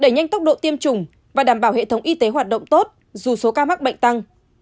các bác sĩ phước đã đảm bảo hệ thống y tế hoạt động tốt dù số ca mắc bệnh tăng